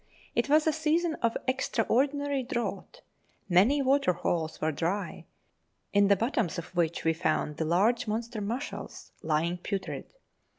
It was a season of extraordinary drought. Many waterholes were dry, in the bottoms of which we found the large monster mussels lying putrid.